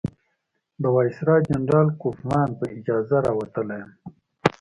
د وایسرا جنرال کوفمان په اجازه راوتلی یم.